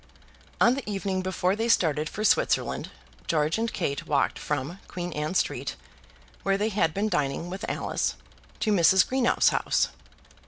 On the evening before they started for Switzerland, George and Kate walked from Queen Anne Street, where they had been dining with Alice, to Mrs. Greenow's house.